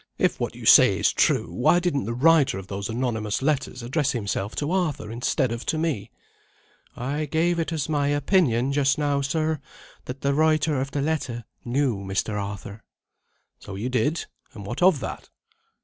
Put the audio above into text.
If what you say is true, why didn't the writer of those anonymous letters address himself to Arthur, instead of to me?" "I gave it as my opinion just now, sir, that the writer of the letter knew Mr. Arthur." "So you did. And what of that?"